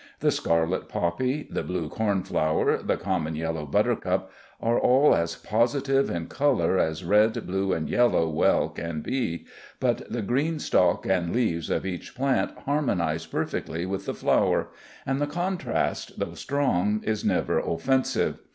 The scarlet poppy, the blue corn flower, the common yellow buttercup, are all as positive in color as red, blue, and yellow well can be, but the green stalk and leaves of each plant harmonize perfectly with the flower, and the contrast, though strong, is never offensive.